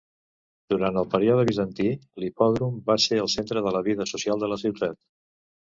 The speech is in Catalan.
Durant el període bizantí, l'Hipòdrom va ser el centre de la vida social de la ciutat.